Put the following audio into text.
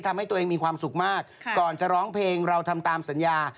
ทำให้ตัวเองมีความสุขมากก่อนจะร้องเพลงเราทำตามสัญญา